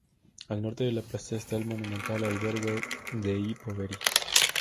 Al norte de la plaza está el monumental Albergo dei Poveri.